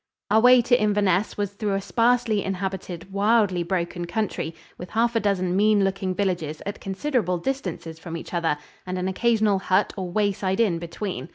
Our way to Inverness was through a sparsely inhabited, wildly broken country, with half a dozen mean looking villages at considerable distances from each other and an occasional hut or wayside inn between.